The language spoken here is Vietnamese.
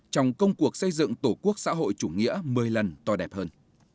trong công cuộc xây dựng tổ quốc xã hội chủ nghĩa một mươi lần to đẹp hơn